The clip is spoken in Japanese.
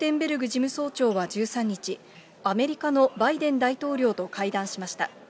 事務総長は１３日、アメリカのバイデン大統領と会談しました。